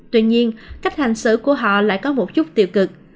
tuy nhiên cách hành xử của họ lại có một chút tiêu cực